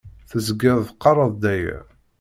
Tezgiḍ teqqareḍ-d aya.